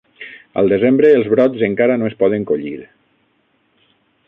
Al desembre els brots encara no es poden collir.